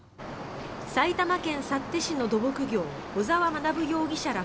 埼玉県幸手市の土木業小沢学容疑者ら